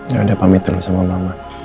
yaudah pamit dulu sama mama